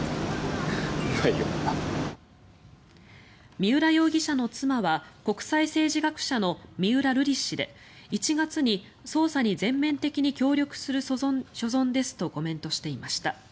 三浦容疑者の妻は国際政治学者の三浦瑠麗氏で１月に、捜査に全面的に協力する所存ですとコメントしていました。